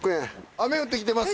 雨降ってきてます。